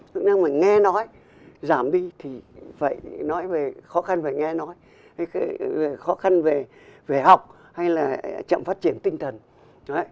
chức năng về nghe nói giảm đi thì phải nói khó khăn về nghe nói khó khăn về học hay là chậm phát triển tinh thần đó